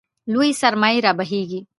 لویې سرمایې رابهېږي.